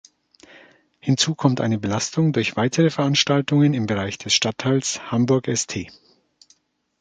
Hinzu kommt eine Belastung durch weitere Veranstaltungen im Bereich des Stadtteils Hamburg-St.